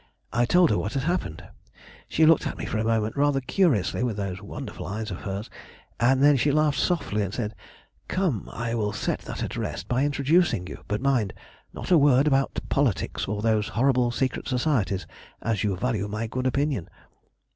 I told her what had happened. "She looked at me for a moment rather curiously with those wonderful eyes of hers; then she laughed softly, and said, 'Come, I will set that at rest by introducing you; but mind, not a word about politics or those horrible secret societies, as you value my good opinion.'